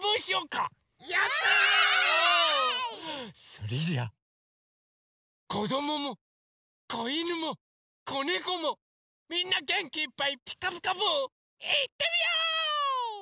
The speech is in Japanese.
それじゃあこどももこいぬもこねこもみんなげんきいっぱい「ピカピカブ！」いってみよう！